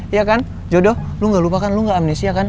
iya kan jodoh lu gak lupa kan lu gak amnesia kan